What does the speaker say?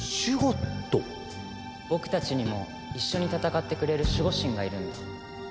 僕たちにも一緒に戦ってくれる守護神がいるんだ。